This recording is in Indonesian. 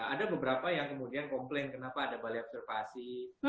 ada beberapa yang kemudian komplain kenapa ada balai observasi